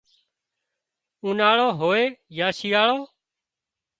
اُوناۯو هوئي يا شيئاۯو